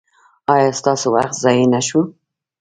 ایا ستاسو وخت ضایع نه شو؟